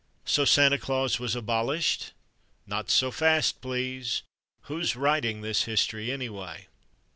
So Santa Claus was abolished? Not so fast please!—Who's writing this History anyway?